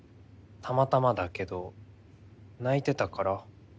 たまたまだけど泣いてたから。